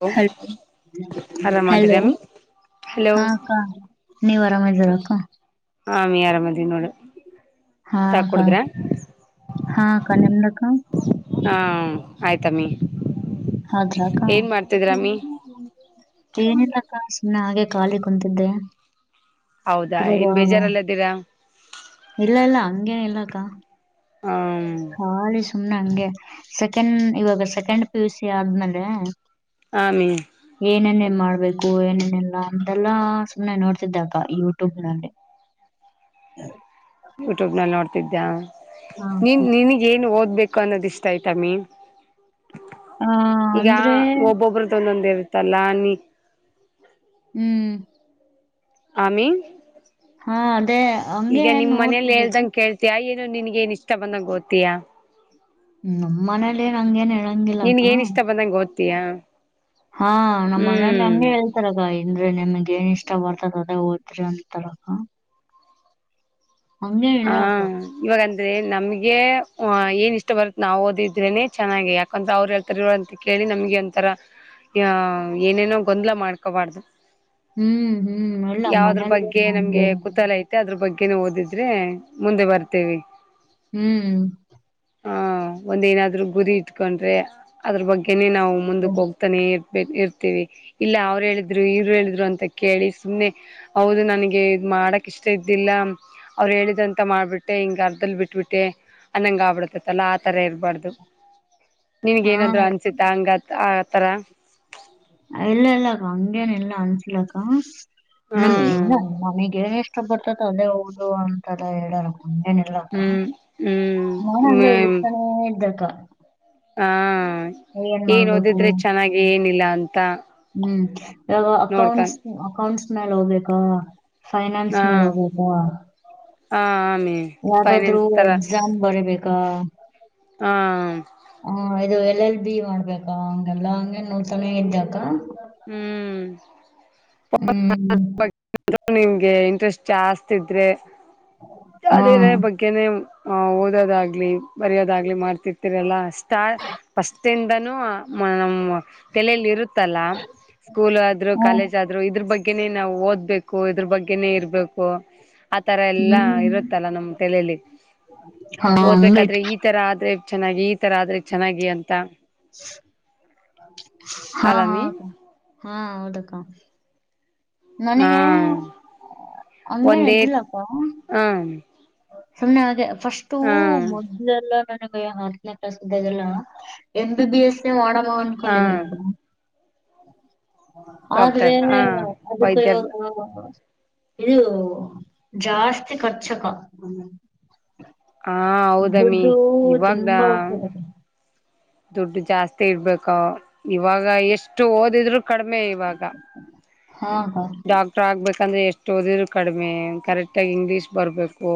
Hello ಹ್ hello. ಆರಾಮದಿರಮ್ಮಿ hello ಹಾ ಅಕ್ಕಾ ನೀವ್ ಆರಾಮ್ ಅದಿರಾ ಅಕ್ಕಾ. ಹ ಅಮ್ಮೀ ಆರಾಮ ಅದಿನ್ ನೋಡ. ಹಾ ಅಕ್ಕ ಹಾ ಅಕ್ಕ ನಿಮ್ದಕ್ಕ. ಹಾ ಆಯ್ತಮ್ಮಿ ಹೌದ್ರ ಅಕ್ಕ ಏನ್ ಮಾಡ್ತಿದ್ರಮ್ಮಿ. ಏನಿಲ್ಲಕ್ಕ ಸುಮ್ಮನೆ ಹಾಗೆ ಖಾಲಿ ಕುಂತಿದ್ದೆ. ಹೌದಾ ಇವಾಗ ಏನ್ ಬೇಜಾರಲ್ಲ್ದೀರಾ. ಇಲ್ಲ ಇಲ್ಲ ಹಂಗೇನ ಇಲ್ಲಕ್ಕ. ಹ್ಮ್ಮಂ. ಹಾಗೆ ಸುಮ್ನೆ ಹಂಗೆ ಸೆಕೆಂಡ್ ಇವಾಗ ಸೆಕೆಂಡ್ ಪಿ ಯು ಸಿ ಆದ್ಮೇಲೆ. ಆ ಅಮ್ಮೀ. ಏನೇನ್ ಮಾಡ್ಬೇಕು ಏನೇನ್ ಇಲ್ಲ ಅಂತೆಲ್ಲ ಸುಮ್ನೆ ನೋಡ್ತಿದ್ದೆ ಅಕ್ಕ ಯೂಟ್ಯೂಬ್ ನಲ್ಲಿ. ಯೂಟ್ಯೂಬ್ ನಲ್ಲಿ ನೋಡ್ತಿದ್ದ ನೀನ್ ನಿನಗ ಏನ್ ಓದ್ಬೇಕು ಅನ್ನೋದ ಇಷ್ಟ ಐತ್ ಅಮ್ಮೀ. ಹ ಈಗ ಅಂದ್ರೆ ಒಬ್ಬೊಬ್ರದ ಒಂದೊಂದ ಇರ್ತ್ತಲ್ಲ ನೀ ಹ್ಮ್ ಆಮ್ಮಿ. ಹಾ ಅದೇ ಹಂಗೆ ಏನ್ ನಿಮ್ ಮನೇಲಿ ನೋಡ್ತಿದ್ದೆ ಅಕ್ಕ. [unintelligible] ನಿನ್ಗ ಏನ್ ಇಷ್ಟ ಬಂದಂಗ ಓತಿಯಾ. ನಮ್ಮ ಮನೇಲಿ ಹಂಗೆನ್ ಹೇಳ ನಿನ್ಗ ಏನ್ ಇಷ್ಟ ಬಂದಂಗ ಓದ್ತೀಯಾ. ಹಾ ನಮ್ಮ್ ಮನೇಲಿ ಹಂಗೆ ಹ್ಮ್ ಹೆಳ್ ತರಗ ಇಂದ್ರೆ ನನಗೆ ಇಷ್ಟ ಬರ್ತದ ಅದೇ ಓದ್ರಿ ಅಂತರ ಅಕ್ಕ. ಹಂಗೆನ್ ಹ ಇಲ್ಲ ಅಕ್ಕ. ಇವಾಗಂದ್ರೆ ನಮ್ಗೆ ವ ಏನ್ ಇಷ್ಟ ಬರುತ್ತ ನಾವು ಓದಿದ್ರೇನೆ ಚೆನ್ನಾಗಿ ಯಾಕಂದ್ರೆ ಅವ್ರು ಹೇಳ್ತಾರ ಇವ ಅಂತ ಕೇಳಿ ನಮ್ಗೆ ಒಂಥರ ಆ ಏನೇನೋ ಗೊಂದಲ ಮಾಡ್ಕೊಬಾರ್ದು. ಹ್ಮ್ ಹ್ಮ್ ಇಲ್ಲ ಯಾವದ್ರ ಮನೇಲಿ ಬಗ್ಗೆ ಹಂಗೆ ನಮ್ಗೆ ಇರಲ್ಲ. ಕುತೂಹಲ ಇತ್ ಮತ್ತೆ ಅದ್ರ ಬಗ್ಗೆನು ಓದಿದ್ರೆ ಮುಂದೆ ಬರ್ತೇವಿ. ಹ್ಮ್ ಹ ಒಂದೇನಾದ್ರು ಗುರಿ ಇಟ್ಕೊಂಡ್ರೆ ಅದ್ರ ಬಗ್ಗೆನೆ ನಾವು ಮುಂದಕ್ ಹೋಗ್ ತಾನೆ ಇರ್ಬೇಕ ಇರ್ತೀವಿ ಇಲ್ಲ ಅವ್ರು ಹೇಳಿದ್ರು ಇವ್ರ ಹೇಳಿದ್ರು ಅಂತ ಕೇಳಿ ಸುಮ್ನೆ ಹೌದು ನನಗೆ ಇದ ಮಾಡಕ್ ಇಷ್ಟ ಇದ್ದಿಲ್ಲ ಅವ್ರ ಹೇಳಿದಂತ ಮಾಡ್ಬಿಟ್ಟೆ ಹಿಂಗ ಅರ್ಧದಲ್ಲಿ ಬಿಟ್ಬಿಟ್ಟೆ ಅನ್ನಂಗ ಆಗ್ಬಿಡತ್ ಇತಲ್ಲ ಆತರ ಇರಬಾರ್ದು ನಿನ್ಗ ಹಾ ಏನಾದ್ರು ಅನ್ಸತ್ತ ಹಂಗ ಆತರ? ಇಲ್ಲಾ ಇಲ್ಲಾಕ್ಕ ಹಂಗೇನ ಇಲ್ಲಾ ಅನ್ಸಿಲಕ್ಕ. ನಮ್ ಇಲ್ಲ ಹ್ಮ್ ನನಗೆ ಇಷ್ಟ ಬಡ್ತದ ಅದೇ ಓದು ಅಂತಲ್ಲ ಹೇಳಲ್ಲ ಇಲ್ಲ ಅಕ್ಕ ಹ್ಮ್ ಹ್ಮ್ ನಾನೇ ಹಂಗೇ ಹ್ಮ್ ಓದ್ತಾನೆ ಇದ್ದೇಕ್ಕಾ. ಹಾ ಏನ್ ಮಾಡ್ಬೇಕು ಓದಿದ್ರೆ ಚೆನ್ನಾಗಿ ಏನಿಲ್ಲ ಅಂತ ಹ್ಮ್ ಇವಾಗ ಅಕೌಂಟ್ಸ್ ನೋಡ್ಕನ್ ಅಕೌಂಟ್ಸ್ ಮ್ಯಾಲ್ ಹೋಗ್ಬೇಕಾ ಫೈನಾನ್ಸ್ ಹಾ ಮೇಲ ಹೋಗ್ಬೇಕ? ಹ ಆಮೇ ಯಾವ್ದಾದ್ರೂ ಫೈನಾನ್ಸ್ ತರ ಎಕ್ಸಾಮ್ ಬರಿಬೇಕಾ? ಹಾ ಹಾ ಇದು ಎಲ್ ಎಲ್ ಬಿ ಮಾಡ್ಬೇಕ ಹಂಗೆಲ್ಲಾ ಹಂಗೆ ನೋಡ್ತಾನೆ ಇದ್ದಕ್ಕ. ಹ್ಮ್ ಹ್ಮ್ ನಿಮ್ಗೆ ಇಂಟ್ರೆಸ್ಟ್ ಜಾಸ್ತಿ ಇದ್ರೆ ಹಾ ಅದಿರೆ ಬಗ್ಗೆ ಬಗ್ಗೆನೇ ಓದೋದಾಗಲಿ ಬರೆಯೋದಾಗಲಿ ಮಾಡ್ತಿರ್ತರಲ್ಲ ಸ್ಟಾ ಫಸ್ಟ್ ಫಸ್ಟ್ ಇಂದನು ಮ ಮ ತಲೆಲಿ ಇರುತ್ತಲ್ಲ ಸ್ಕೂಲ್ ಆದ್ರು ಹಾ ಕಾಲೇಜ್ ಆದ್ರು ಇದ್ರ ಬಗ್ಗೆನೇ ನಾವು ಓದ್ಬೇಕು ಇದ್ರ ಬಗ್ಗೆನೇ ಇರ್ಬೇಕು ಆತರ ಎಲ್ಲಾ ಹ್ಮ್ ಇರುತ್ತಲ್ಲ ನಮ್ ತಲೆಯಲ್ಲಿ ಹಾ ಓದ್ಬೇಕಾದ್ರೆ ಹಂಗೈತ್ ಈ ಈತರ ಆದ್ರೆ ಚೆನ್ನಾಗಿ ಈತರ ಆದ್ರೆ ಚೆನ್ನಾಗಿ ಅಂತ ಹಾ ಹಾ ಹಾ ಅಲಮಿ ಹೂಂ ಹೌದಕ್ಕಾ. ಹ ನನಗೆ ಹಂಗೆನ್ ಎಲ್ದಿಲ್ಲಕ್ಕ ಹಾಂ ಸುಮ್ನೆ ಹಾಗೆ ಫಸ್ಟು ಮೊ ಇಲ್ಲ್ ಇಲ್ಲ್ ನನಗೆ ಹತ್ತನೇ ಕ್ಲಾಸ್ ಇದ್ದಾಗೆಲ್ಲ ಎಂ ಬಿ ಬಿ ಎಸ್ ಮಾಡಮ ಹಾ [unintelligible] ಆದ್ರೆ ಡಾಕ್ಟರ್ ಹಾ ಅದಕ್ಕೆ ವೈದ್ಯರ್ ಇವಾಗ [unintelligible] ಇದು ಜಾಸ್ತಿ ಕರ್ಚಕ ಹಾ ಹೌದಮ್ಮಿ ದುಡ್ಡು ಇವಾಗ ತುಂಬಾ ಹೋಗ್ತದೆ. ದುಡ್ಡು ಜಾಸ್ತಿ ಇಡ್ಬೇಕ ಇವಾಗ ಎಷ್ಟು ಓದಿದ್ರು ಕಡಿಮೆ ಇವಾಗ. ಹಾ ಹಾ ಡಾಕ್ಟ್ರ ಆಗ್ಬೇಕಂದ್ರೆ ಎಷ್ಟು ಓಡಿದ್ರೂ ಕಡಿಮೆ ಕರೆಕ್ಟಾಗಿ ಇಂಗ್ಲೀಷ್ ಬರ್ಬೇಕು.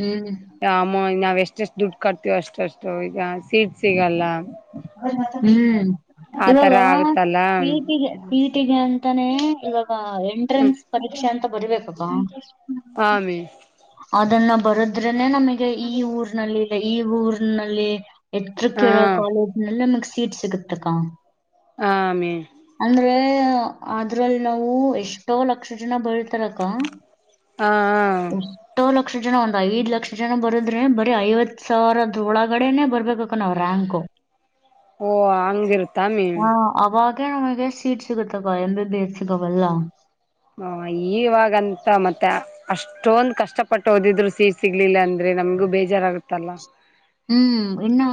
ಹ್ಮ್ ಅಮ್ಮ ನಾವ್ ಎಷ್ಟೆಷ್ಟು ದುಡ್ಡು ಕಟ್ತಿವ ಅಷ್ಟಷ್ಟು ಈಗ ಸಿಟ್ಸ್ ಸಿಗಲ್ಲ. ಹ್ಮ್ ಇವಾಗ ಆತರ ಆಗುತ್ತಲ್ಲ ಈ ಪಿ ಟಿ ಗೆ ಅಂತಾನೆ ಇವಾಗ ಹ್ಮ್ ಎಂಟ್ರೆನ್ಸ್ ಪರೀಕ್ಷೆ ಅಂತ ಬರಿ ಬೇಕಪ್ಪ ಹಾ ಅವಿ. ಅದನ್ನ ಬರದ್ರೇನೆ ನಮಗೆ ಈ ಊರ್ನಲ್ಲಿ ಇದೆ ಈ ಊರ್ನಲ್ಲಿ ಎತ್ರಕ್ ಹಾ ಇರೋ ಕಾಲೇಜ್ನಲ್ಲ ನಮಗ್ ಸೀಟ್ ಸಿಗತ್ತಕ್ಕಾ. ಹಾಮಿ ಅಂದ್ರೆ ಅದ್ರಲ್ಲಿ ನಾವು ಎಷ್ಟೋ ಲಕ್ಷ ಜನ ಬರಿತಾರಕ್ಕ ಹಾ ಹಾ ಹಾ ಎಷ್ಟೋ ಲಕ್ಷ ಜನ ಒಂದ್ ಐದ್ ಲಕ್ಷ ಜನ ಬರದ್ರೆ ಬರೀ ಐವತ್ತು ಸಾವಿರದ ಒಳಗಡೆನೆೇ ಬರ್ಬೇಕಕ್ಕ ನಾವು ರಾಂಕ್. ಓ ಹಂಗಿರುತ್ ಹಾ ಅವಾಗ ನಮಗೆ ಸೀಟ್ ಸಿಗುತ್ತಕ್ಕ ಅಂದ್ರೆ [unintelligible] ಇದಾವಲ್ಲ. ಹಾ ಈವಾಗಂತ ಮತ್ತೆ ಅಷ್ಟೊಂದ್ ಕಷ್ಟಪಟ್ ಓದಿದ್ರು ಸೀಟ್ ಸಿಗ್ಲಿಲ್ಲ ಅಂದ್ರೆ ನಮ್ಗೂ ಬೇಜಾರಾಗುತ್ತಲ್ಲ. ಹ್ಮ್ ಇನ್ನ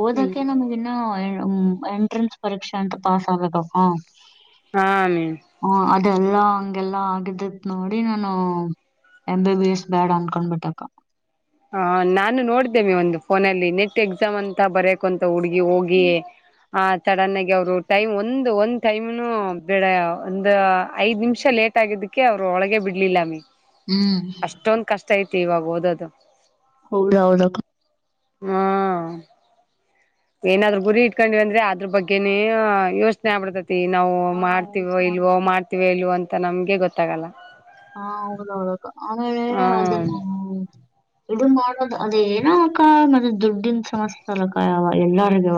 ಓದಕ್ಕೆ ನಮಗ ಇನ್ನ ಮ್ಮ್ ಎಂಟ್ರನ್ಸ್ ಪರೀಕ್ಷೆ ಅಂತ ಪಾಸ್ ಆಗಬೇಕಪಾ. ಹಾ ಅಮ್ಮಿ. ಹಾ ಅದೆಲ್ಲಾ ಹಂಗೆಲ್ಲಾ ಆಗಿದ್ದಿದ್ ನೋಡಿ ನಾನು ಎಂಬಿಬಿಎಸ್ ಬ್ಯಾಡ ಅಂದ್ಕೊಂಡ್ ಬಿಟ್ಟೆ ಅಕ್ಕ. ಹಾ ನಾನು ನೋಡ್ದೇನೆ ಒಂದು ಫೋನಲ್ಲಿ ನೆಟ್ ಎಕ್ಸಾಮ್ ಅಂತ ಬರಿಯೋಕ್ ಅಂತ ಹುಡ್ಗಿ ಹೋಗಿ ಹಾ ಸಡನ್ ಆಗಿ ಅವರು ಟೈಮ್ ಒಂದು ಒಂದ್ ಟೈಮ್ನು ಬೇಡ ಒಂದ್ ಐದ್ ನಿಮಿಷ ಲೇಟ್ ಟಾಗಿದ್ದಕ್ಕೆ ಅವ್ರು ಒಳಗೆ ಬಿಡ್ಲಿಲ್ಲ ಅಮ್ಮಿ. ಹ್ಮ್. ಅಷ್ಟೊಂದ್ ಕಷ್ಟ ಐತಿ ಇವಾಗ ಓದೋದು. ಹೌದು ಹೌದಕ್ಕ. ಹ್ಮ್. ಏನಾದ್ರೂ ಗುರಿ ಇಟ್ಕೊಂಡಿವಿ ಅಂದ್ರೆ ಅದ್ರ ಬಗ್ಗೆನೆ ಯೋಚನೆ ಆಗ್ಬಿಡ್ತೈತೆ. ತಿ ನಾವು ಮಾಡ್ತೀವೋ ಹಾ ಇಲ್ವೋ ಮಾಡ್ತೀವೋ ಇಲ್ವೋ ಅಂತ ನಮ್ಗೆ ಗೊತ್ತಾಗಲ್ಲ. ಹಾ ಹೌದ್ ಹೌದಕ್ಕ ಆಮೇಲೆ ಹ್ಮ್ ಅದನ್ನ ಇದು ಮಾಡೋದು ಅದ ಏನೋ ಅಕ್ಕ ಮತ್ತೆ ದುಡ್ಡಿನ್ ಸಮಸ್ಯೆ ಅಲ್ಲಕ ಯಾವ ಎಲ್ಲರಿಗ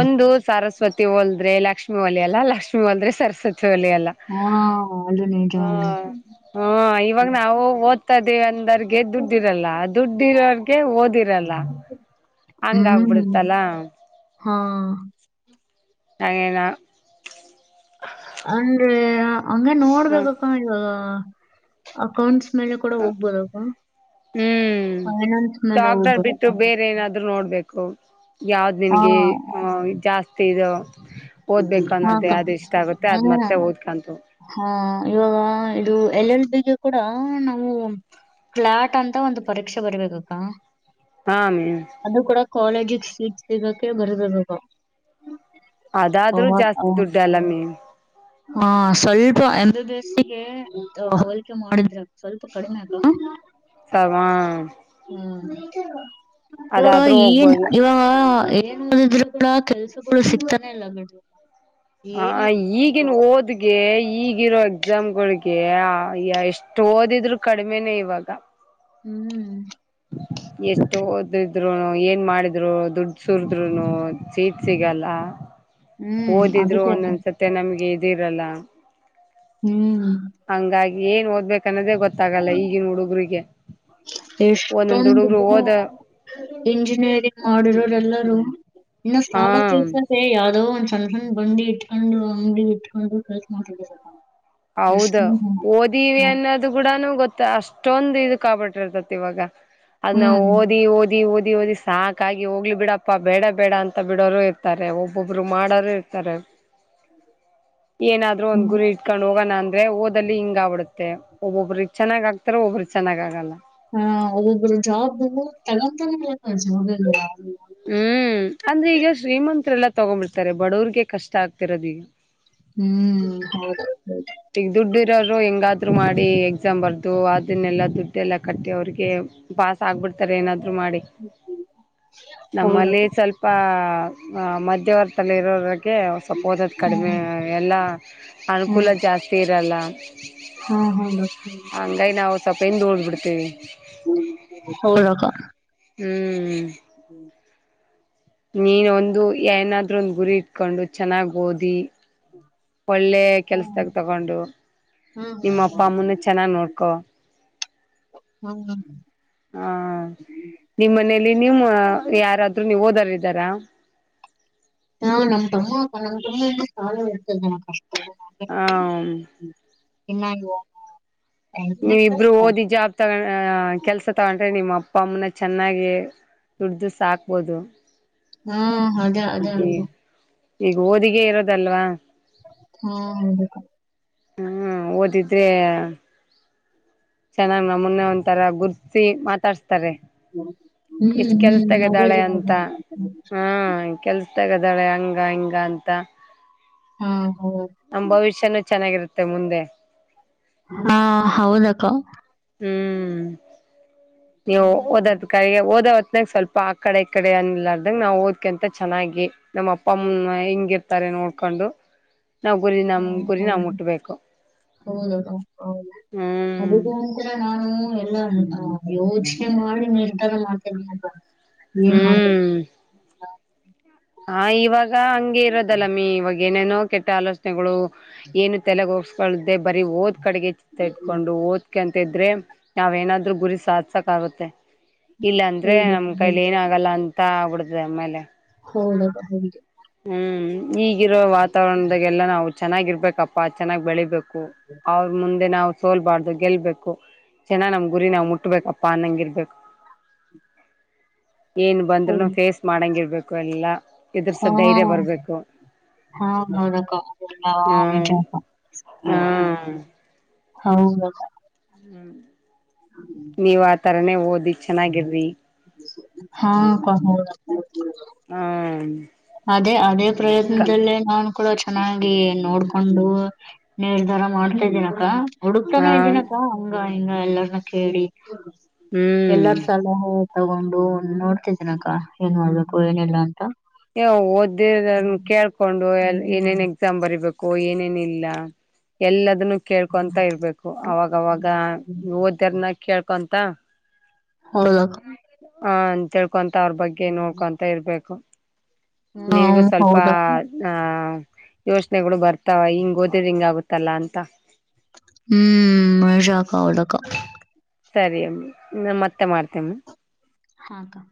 ಒಂದು ಸರಸ್ವತಿ ಒಲ್ದ್ರೆ ಲಕ್ಷ್ಮಿ ಒಲಿಯಲ್ಲ ಲಕ್ಷ್ಮೀ ಒಲ್ದ್ರೆ ಸರಸ್ವತಿ ಒಲಿಯಲ್ಲ. ಹಾ ಅದು ನಿಜ. ಹೂ ಇವಾಗ ನಾವು ಓದ್ತಾ ಇದ್ದೀವಿ ಅಂದೋರ್ಗೆ ದುಡ್ಡಿರಲ್ಲ ದುಡ್ ಇರೋರ್ಗೆ ಓದಿರಲ್ಲ. ಹಂಗ್ ಹ್ಮ್ ಆಗ್ಬಿಡತ್ತಲ್ಲ. ಹಾ. ಆಗೇನಾ ಅಂದ್ರೆ ಹಂಗೆ ನೋಡ್ಬೇಕಕ್ಕ ಇವಾಗ ಅಕೌಂಟ್ಸ್ ಮೇಲೆ ಕೂಡ ಹ ಹೋಗ್ಬೋದಕ್ಕ ಹ್ಮ್ ಫೈನಾನ್ಸ್ ಮೇಲೆ ಡಾಕ್ಟರ್ ಹೋಗ್ಬೋದಕ್ಕ. ಬಿಟ್ಟು ಬೇರೆ ಏನಾದ್ರು ನೋಡ್ಬೇಕು ಯಾವ್ದ್ ಹಾ ನಿನಗೆ ಜಾಸ್ತಿ ಇದು ಓದ್ಬೇಕು ಅನ್ನೋದು ಹಾಕ್ಕ ಯಾವ್ದ್ ಇಷ್ಟ ಆಗುತ್ತೆ ಹಾ ಅದ್ ಮತ್ತೆ ಓದ್ಕಂತ ಹೋಗು. ಹಾ ಇವಾಗ ಇದು ಎಲ್ ಎಲ್ ಬಿ ಗೆ ಕೂಡ ನಾವು ಕ್ಲಾಟ್ ಅಂತ ಒಂದು ಪರೀಕ್ಷೆ ಬರಬೇಕಕ್ಕಾ ಹಾ ಅಮ್ಮಿ. ಅದು ಕೂಡ ಕಾಲೇಜಿಗೆ ಸೀಟ್ಸ್ ಸಿಗಕೆ ಬರಿಬೇಕದು. ಅದಾದ್ರೂ ಜಾಸ್ತಿ ಅವ- ದುಡ್ ಅಲ್ಲಮ್ಮಿ. ಹಾ ಸ್ವಲ್ಪ ಎಂಬಿಬಿಎಸ್ ಗೆ ಇದು ಹೋಲಿಕೆ ಮಾಡಿದ್ರೆ ಸ್ವಲ್ಪ ಕಡಿಮೆ ಅಲ್ವಾ. ಸಮಾ ಹ್ಮ್ ಇವಾಗ ಅದಾದ್ರೂ ಏನ್ ಹೋಗ್ಬೋದು ಇವಾಗ ಏನ್ ಏನ್ ಓದಿದ್ರು ಕೂಡ ಕೆಲ್ಸಗಳು ಸಿಗ್ತಾನೆ ಇಲ್ಲ ಬಿಡ್ ಏನು ಅಂತ ನ್ನುವು ಓದ್ಗೆ ಈಗಿರೋ ಎಕ್ಸಾಮ್ಗಳಿಗೆ ಎಷ್ಟು ಓದಿದ್ರು ಕಡಿಮೆನೇ ಇವಾಗ. ಹ್ಮ್. [inaudible] ಎಷ್ಟು ಓದಿದ್ರು ಏನ್ ಮಾಡಿದ್ರು ದುಡ್ ಸುರದ್ರುನು ಚೀಟ್ ಸಿಗಲ್ಲ ಹ್ಮ್ ಓದಿದ್ರು ಅದಕ್ಕೆ ಅದು. ಒಂದೊಂದ್ಸತ್ಯ ನಮ್ಗೆ ಇದಿರಲ್ಲ ಹ್ಮ್ ಹಂಗಾಗಿ ಏನ್ ಓದ್ಬೇಕ ಅನ್ನೋದೇ ಗೊತ್ತಾಗಲ್ಲ ಈಗಿನ ಹುಡುಗರಿಗೆ ಎಷ್ಟೊಂದು ದಿನ ಇಂಜಿನಿಯರಿಂಗ್ ಮಾಡಿರೋರೆ ಎಲ್ಲಾರೂ ಇನ್ನು ಹಾ ಸಾಲ ಕೆಲಸ ಹೇ ಯಾವವು್ದೋ ಒಂದ್ ಸಣ್ಣ ಸಣ್ಣ ಬಂದಿ ಇಟ್ಕೊಂಡು ಅಂಗಡಿ ಇಟ್ಕೊಂಡು ಕೆಲ್ಸ ಮಾಡ್ತಿದಾರ ಹೌದ ಓದೀವಿ ಹಾ ಅನ್ನೋದು ಕೂಡನು ಗೊತ್ತ ಅಷ್ಟೊಂದು ಇ ಕಾಬಿಟ್ಟಿರ್ತತಿ ಇವಾಗ ಅದ ನಾ ಓದಿ ಓದಿ ಓದಿ ಓದಿ ಸಾಕಾಗಿ ಹೋಗ್ಲಿ ಬಿಡಪ್ಪ ಬೇಡ ಬೇಡ ಅಂತ ಬಿಡೋರು ಇರ್ತಾರೆ ಒಬ್ಬೊಬ್ರು ಮಾಡೋರು ಇರ್ತಾರೆ [inaudible] ಏನಾದ್ರು ಒಂದ್ ಗುರಿ [unintelligible] ಇಕೊಂಡ್ ಹೋಗೋಣ ಅಂದ್ರೆ ಓದದಲ್ಲಿ ಹಿಂಗ ಆ್ ಬಿಡುತ್ತೆ ಒಬ್ಬೊಬ್ರಿಗೆ ಚೆನ್ನಾಗ ಆಗ್ತಾರ ಒಬ್ಬ್ರಿಗೆ ಚೆನ್ನಾಗ ಆಗಲ್ಲ ಹಾ ಒಬ್ವೊಬ್ಬರು ಜಾಬ್ ತಲ ತಾಣ ಜಾಬ್ ಹ್ಮ್ ಅಂದ್ರೆ ಈಗ ಶ್ರೀಮಂತ್ರೆ ಎಲ್ಲಾ ತಗೊ್ಬಿಡ್ತಾರೆ ಬಡವ್ರಿಗೆ ಕಷ್ಟ ಆಗ್ತಿರೋದ ಈಗ ಹ್ಮ್ ಹೌದು ಹೌದು ದುಡ್ಡು ಇರೋರು ಹೆಂಗಾದ್ರು ಮಾಡಿ ಎಕ್ಸಾಮ್ ಬರ್ದು ಅದನ್ನೆಲ್ಲ ದುಡ್ಡೆ ಎಲ್ಲ ಕಟ್ಟಿ ಅವ್ರಿಗೆ ಪಾಸ್ ಆಗ್ಬಿಡ್ತಾರೆ ಏನಾದ್ರು ಮಾಡಿ ಹೌದು ನಮ್ಮಲ್ಲಿ ಹೌದು ಸ್ವಲ್ಪ ಪ ಮಧ್ಯವರ್ತಲ್ಲಿ ಇರೋ ಸ್ವಪ ಓದ ಕಡಿಮೆ ಹ್ಮ್ ಎಲ್ಲಾ ಅನುಕೂಲ ಹ್ಮ್ ಜಾಸ್ತಿ [unintelligible] ಹಾ ಹೌದು ಹಂಗೈ ನಾವು ಸ್ವಲ್ಪ ಹಿಂದ ಉಳಬಿಡ್ತೀವಿ ಹೌದು ಅಕ್ಕ ಹ್ಮ್ ಹ್ಮ್ ಹ್ಮ್ ನೀನ್ ಒಂದು ಏನಾದ್ರೂ ಒಂದ ಗುರಿ ಇಟ್ಕೊಂಡು ಚೆನ್ನಾಗ್ ಓದಿ ಒಳ್ಳೆ ಹಾ ಕೆಲ್ಸದಾಗ ತಗೊಂಡು ನಿಮ್ಮ ಅಪ್ಪ ಅಮ್ಮನ ಚೆನ್ನಾಗ್ ನೋಡ್ಕೊ [unintelligible] ಹ್ಮ್ ಹಾ ನಿಮ ಮನೇಲಿ ನೀಮ್ಮ ಯಾರಾದ್ರು ನೀವು ಓದಾರ್ದಾರಾ ಇದ್ರ ಹಾ ನಮ್ ತಮ್ಮ ಅ ನಮ್ ತುಂಬಿಂದ ಸಾಲ ಇರ್ತದೆ ನ ಕಷ್ಟ ಹ ಇನ್ನಾಗುವ ನೀವ ಇಬ್ರು ಓದಿ ಜಾಬ್ ತಗ ಕೆಲ್ಸ ತಗೊಂಡ್ರೆ ನಿಮ್ಮ ಅಪ್ಪ ಅಮ್ಮನ ಚೆನ್ನಾಗಿ ದುಡ್ದು ಸಾಕ್ಬೋದು ಹಾ ಅದೇ ಅದೇ ಈ ಈಗ ಓದಿಗೆ ಇರೋದಲ್ವಾ ಹಾ ಹೌದು ಅಕ್ಕ ಹಾ ಓದಿದ್ರೆ ಚೆನ್ನಾಗ್ ನಮ್ಮನ್ನೆ ಒಂಂತರ ಗುರ್ಸಿ ಮಾತಾಡ್ಸ್ತಾರೆ ಇಷ್ಟ ಹ್ಮ್ ಕೆಲ್ಸ ಹ್ಮ್ ತಗದಾಳೆ ಮೊಬೈಲ್ ಅಂತ ಹಾ ಕೆಲ್ಸ ತಗದಾಳೆ ಹಂಗ ಹಿಂಗ ಅಂತ ಹಾ ಹೌದು ನಮ್ ಭವಿಷ್ಯನುೂ ಚೆನ್ನಾಗಿರುತ್ತೆ ಮುಂದೆ ಹಾ ಹೌದು ಅಕ್ಕ ಹ್ಮ್ ಹಾ ನೀವು ಓದದ ಕಾಯಿಗ ಓದವತ್ನಾಗ ಸ್ವಲ್ಪ ಆಕಡೆ ಈಕಡೆ ಅನ್ಲಾರದಂಗ್ ನಾವು ಓದ್ಕಂತ ಚೆನ್ನಾಗಿ ನಮ್ಮ ಅಪ್ಪ ಅಮ್ಮನ ಹೆಂಗಿರ್ತಾರೆ ನೋಡ್ಕೊಂಡು ನಾವ್ ಗುರಿ ನಮ್ ಗುರಿ ನಾವ್ ಹೌದು ಮುಟ್ಬೇಕು ಹೌದಕ್ಕ ಹ್ಮ್. ಇತರ ನಾನು ಎಲ್ಲ ಯೋಚನೆ ಮಾಡಿ ನಿರ್ಧಾರ ಮಾಡ್ತೇನಿ ಅಂತ. ಏನ್ ಮಾಡ್ಬೇಕ್? ಹ ಇವಾಗ ಹಂಗೆ ಇರೋದಲ್ಲಮ್ಮಿ ಇವಾಗ ಏನೇನೋ ಕೆಟ್ಟ ಆಲೋಚನೆಗಳು ಏನು ತಲೆಗ ಹೋಗ್ಸ ಳ್ದೆ ಬರೀ ಓದ್ ಕಡೆಗೆ ಚಿತ್ತ ಇಟ್ಕೊಂಡು ಓದ್ ಅಂತ ಇದ್ರೆ ನಾವ್ ಏನಾದ್ರೂ ಗುರಿ ಸಾಧಸಕ್ ಆಗುತ್ತೆ. ಇಲ್ಲಾ ಅಂದ್ರೆ ಹೌದಕ್ಕ ನಮ್ ಕೈಲಿ ಏನ ಆಗಲ್ಲ ಅಂತ ಆಗ್ಬಿಡ್ತದೆ ಆಮೇಲೆ. ಹೌದದಕ್ಕ ಹೌದು. ಹ್ಮ್ ಈಗಿರೋ ವಾತಾವರಣದಾಗೆಲ್ಲ ನಾವು ಚೆನ್ನಾಗಿರ್ಬೇಕಪ್ಪಾ ಚೆನ್ನಾಗ್ ಬೆಳಿಬೇಕು ಅವ್ರ ಮುಂದೆ ನಾವು ಸೋಲ್ಬಾರ್ದು ಗೆಲ್ಬೇಕು ಚೆನ್ನಾಗ್ ನಮ್ ಗುರಿ ನಾವ್ ಮುಟ್ಬೇಕಪ್ಪಾ ಅನ್ನಂಗ ಇರ್ಬೇಕು. ಹ್ಮ ಏನ್ ಬಂದ್ರೂನು ಫೇಸ್ ಮಾಡಂಗಿರ್ಬೇಕು ಎಲ್ಲಾ ಎದರ್ಸೋ ಧೈರ್ಯ ಹೌದು ಬರ್ಬೇಕು. ಹಾ ಅಕ್ಕಾ ಹೌದ ಅಕ್ಕಾ [unintelligible] ನಿಜಾ ಹ್ಮ್ ಅಕ್ಕಾ. ಹ್ಮ್ ಹೌದಕ್ಕ. ಹ್ಮ ನೀವ್ ಆ ತರಾನೇ ಓದಿ ಚೆನ್ನಾಗಿರ್ರಿ. ಹಾ ಅಕ್ಕಾ ಹೌದಕ್ಕಾ. ಹ್ಮ ಅದೇ ಅದೇ ಪ್ರಯತ್ನದಲ್ಲೇ ನಾನು ಕೂಡ ಚೆನ್ನಾಗಿ ನೋಡ್ಕೊಂಡು ನೀರ್ಧಾರ ಮಾಡ್ತಾ ಇದೀನಕ್ಕ. ಹುಡುಕ್ತಾನೇ ಹಾ ಇದ್ದೀನಕ್ಕ ಹಂಗ ಹಿಂಗ ಎಲ್ಲಾರ್ನ್ನ ಕೇಳಿ ಹ್ಮ್ ಎಲ್ಲಾರ ಸಲಹೆ ತಗೊಂಡು ನೋಡ್ತಿದನಕ್ಕ ಏನ್ ಮಾಡ್ಬೇಕು ಏನಿಲ್ಲ ಅಂತ. ಏ ಓದ್ದಿ ಕೇಳ್ಕೊಂಡು ಎ ಏನೇನ್ ಎಕ್ಸಾಮ್ ಬರಿಬೇಕ ಕೂ ಏನೇನಿಲ್ಲ ಎಲ್ಲದನ್ನು ಕೇಳ್ಕೊಂತ ಇರ್ಬೇಕು ಅವಾಗವಾಗ ಓದ್ಯರ್ನ ಕೇಳ್ಕೊಂತ ಹೌದಕ್ಕ. ಹ ಅಂತಳ್ಕೊಂತ ಅವ್ರ ಬಗ್ಗೆ ನೋಡ್ಕೊಂತ ಇರ್ಬೇಕು. ನಿನ್ಗೂ ಹ್ಮ್ ಸ್ವಲ್ಪ ಹೌದಕ್ಕ ಹಾ ಯೋಚನೆಗಳು ಬರ್ತಾವ ಹಿಂಗ ಓದಿದ್ರ ಹಿಂಗ ಆಗುತ್ತಲ್ಲ ಅಂತ. ಹ್ಮ್ [unintelligible] ಹೌದಕ್ಕ ಸರಿ ಅಮ್ಮೀ ನಾ ಮತ್ತೆ ಮಾಡ್ತೇಮ್ಮ. ಹಾಕ್ಕಾ.